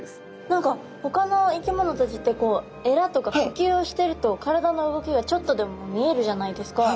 何かほかの生き物たちってえらとか呼吸をしてると体の動きがちょっとでも見えるじゃないですか。